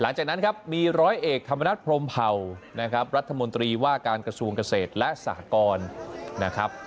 หลังจากนั้นครับมีร้อยเอกทหารพรมภวรัฐมนตรีว่าการกระทำกเศรษฐ์และซากลนะครับ